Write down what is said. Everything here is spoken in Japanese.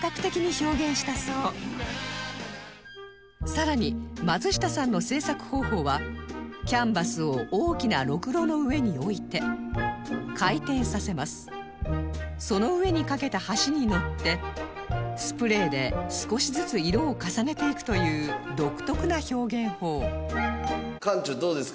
さらに松下さんの制作方法はキャンバスを大きなろくろの上に置いて回転させますその上に架けた橋に乗ってスプレーで少しずつ色を重ねていくという独特な表現法館長どうですか？